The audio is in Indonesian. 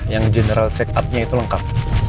yang general check up nya itu lengkap